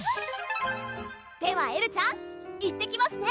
ではエルちゃん行ってきますね！